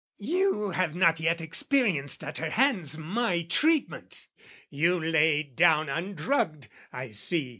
"You have not yet experienced at her hands "My treatment, you lay down undrugged, I see!